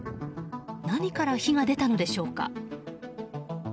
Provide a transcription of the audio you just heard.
何から火が出たのでしょうか。